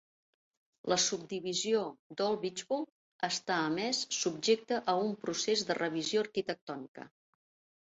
La subdivisió d'Old Beechwold està, a més, subjecta a un procés de revisió arquitectònica.